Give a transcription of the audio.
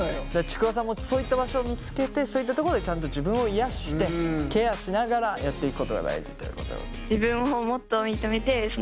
ちくわさんもそういった場所を見つけてそういったとこでちゃんと自分を癒やしてケアしながらやっていくことが大事ということ。